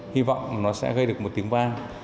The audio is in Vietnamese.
hy vọng nó sẽ gây được một tiếng vang